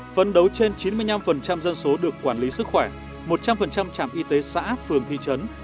phân đấu trên chín mươi năm phần trăm dân số được quản lý sức khỏe một trăm linh phần trăm trạm y tế xã phường thị trấn